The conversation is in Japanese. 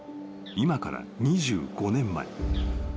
［今から２５年前］